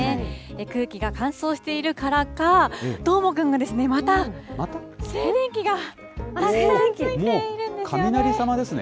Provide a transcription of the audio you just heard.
空気が乾燥しているからか、どーもくんがまた静電気がたくさんついているんですよね。